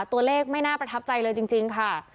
ตัวเลขไม่น่าประทับใจเลยจริงค่ะ